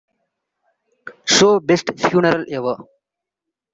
show Best Funeral Ever.